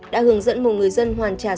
đã hưởng dẫn một người dân hoàn trả